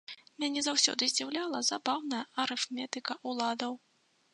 Мяне заўсёды здзіўляла забаўная арыфметыка ўладаў.